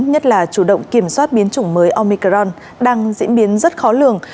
nhất là chủ động kiểm soát biến chủng mới omicron đang diễn biến rất khó lường